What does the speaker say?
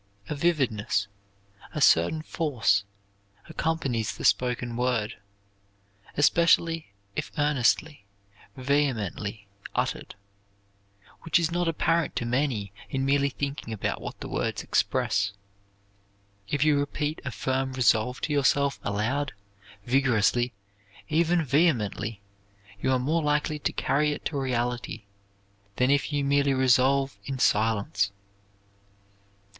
A vividness, a certain force, accompanies the spoken word especially if earnestly, vehemently uttered which is not apparent to many in merely thinking about what the words express. If you repeat a firm resolve to yourself aloud, vigorously, even vehemently, you are more likely to carry it to reality than if you merely resolve in silence.